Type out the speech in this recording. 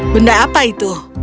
benda apa itu